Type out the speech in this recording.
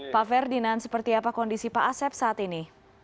pak ferdinand seperti apa kondisi pak asep saat ini